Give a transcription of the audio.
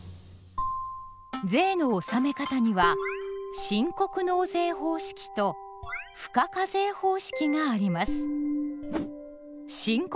税の納め方には「申告納税方式」と「賦課課税方式」があります。